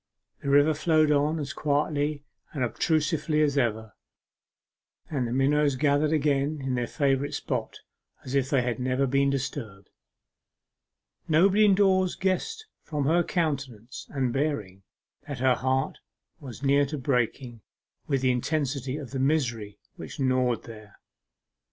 The river flowed on as quietly and obtusely as ever, and the minnows gathered again in their favourite spot as if they had never been disturbed. Nobody indoors guessed from her countenance and bearing that her heart was near to breaking with the intensity of the misery which gnawed there.